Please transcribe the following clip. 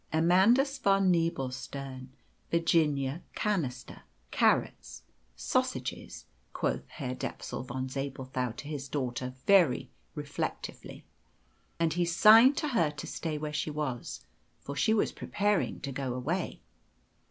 "Amandus von Nebelstern, Virginia canaster, carrots, sausages," quoth Herr Dapsul von Zabelthau to his daughter very reflectively. And he signed to her to stay where she was, for she was preparing to go away.